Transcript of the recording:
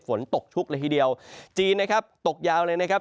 ฝนตกชุกเลยทีเดียวจีนนะครับตกยาวเลยนะครับ